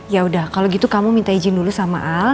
yaudah kalo gitu kamu minta izin dulu sama al